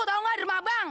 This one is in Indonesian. tahu gak derma bang